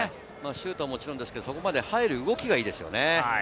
シュートはもちろんですが、そこまで入る動きがいいですよね。